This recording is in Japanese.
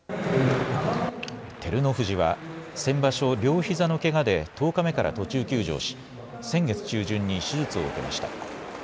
照ノ富士は、先場所、両ひざのけがで１０日目から途中休場し、先月中旬に手術を受けました。